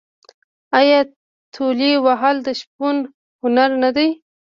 آیا تولې وهل د شپون هنر نه دی؟